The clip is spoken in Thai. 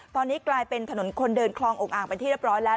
ตอนนี้กลายเป็นถนนคนเดินคลองอกอ่างเป็นที่เรียบร้อยแล้ว